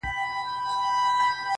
ه شعر كي دي زمـــا اوربــل دی.